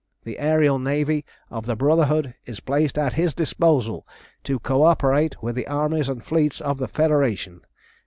The aërial navy of the Brotherhood is placed at his disposal to co operate with the armies and fleets of the Federation.